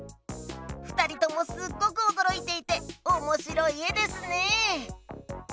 ふたりともすっごくおどろいていておもしろいえですね！